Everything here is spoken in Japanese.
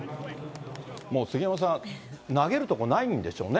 もう杉山さん、投げるとこないんでしょうね。